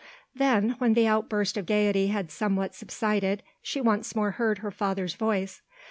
Then when the outburst of gaiety had somewhat subsided she once more heard her father's voice.